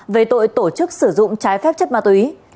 về tội tổ chức sử dụng trái phép chất ma túy